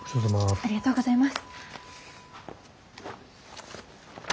ありがとうございます。